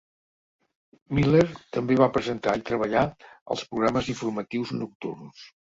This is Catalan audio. Miller també va presentar i treballar als programes informatius nocturns.